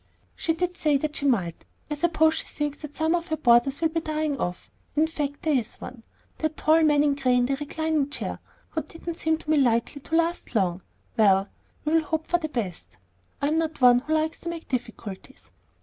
"She did say that she might. I suppose she thinks some of her boarders will be dying off. In fact, there is one that tall man in gray in the reclining chair who didn't seem to me likely to last long. Well, we will hope for the best. I'm not one who likes to make difficulties."